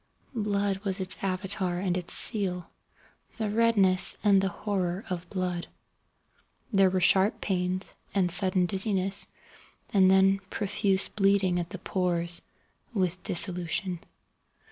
Blood was its Avatar and its seal—the redness and the horror of blood. There were sharp pains, and sudden dizziness, and then profuse bleeding at the pores, with dissolution.